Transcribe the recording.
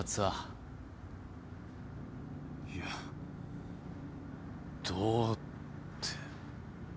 いや「どう」って。